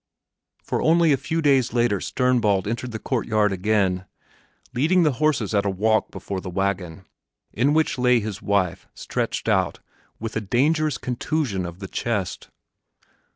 For only a few days later Sternbald entered the courtyard again, leading the horses at a walk before the wagon, in which lay his wife, stretched out, with a dangerous contusion of the chest.